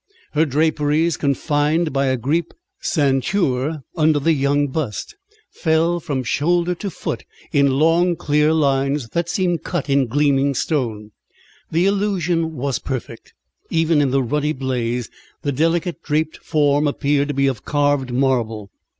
Her draperies, confined by a Greek ceinture under the young bust, fell from shoulder to foot in long clear lines that seemed cut in gleaming stone. The illusion was perfect. Even in that ruddy blaze the delicate, draped form appeared to be of carved marble.